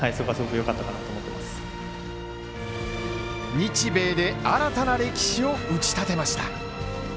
日米で新たな歴史を打ち立てました。